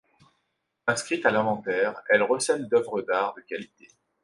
Inscrite à l'inventaire, elle recèle d'œuvres d'art de qualité.